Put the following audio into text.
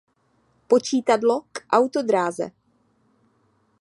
Počítadlo k autodráze